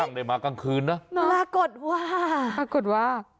ได้มากลางคืนนะปรากฏว่าปรากฏว่า